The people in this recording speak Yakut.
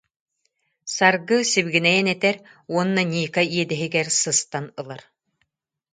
Саргы сибигинэйэн этэр уонна Ника иэдэһигэр сыстан ылар